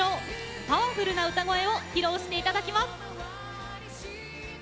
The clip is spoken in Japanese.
パワフルな歌声を披露していただきます。